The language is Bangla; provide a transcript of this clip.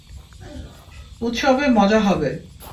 উৎসবে মজা হবে।